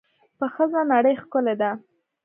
په ښځه نړۍ ښکلې ده.